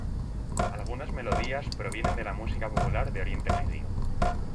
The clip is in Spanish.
Algunas melodías provienen de la música popular de Oriente Medio.